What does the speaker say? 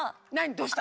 どうした？